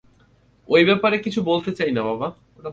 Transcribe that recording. ঐ ব্যাপারে কিছু বলতে চাই না বাবা।